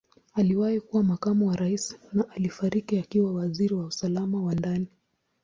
Aliwahi kuwa Makamu wa Rais na alifariki akiwa Waziri wa Usalama wa Ndani.